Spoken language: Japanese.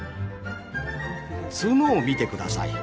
角を見て下さい。